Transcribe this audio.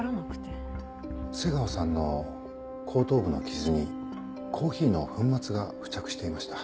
瀬川さんの後頭部の傷にコーヒーの粉末が付着していました。